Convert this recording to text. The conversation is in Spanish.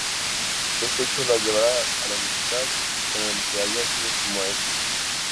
Este hecho le llevará a la enemistad con el que había sido su maestro.